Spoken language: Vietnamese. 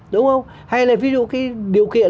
đúng không hay là ví dụ cái điều kiện